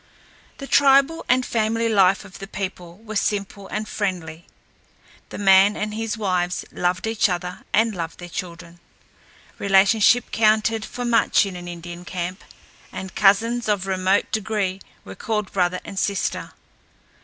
The tribal and family life of the people was simple and friendly. The man and his wives loved each other and loved their children. Relationship counted for much in an Indian camp, and cousins of remote degree were called brother and sister.